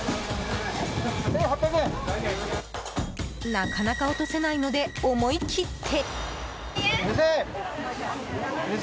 なかなか落とせないので思い切って。